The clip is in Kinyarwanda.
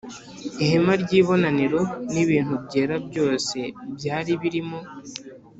“ihema ry’ibonaniro n’ibintu byera byose byari birimo”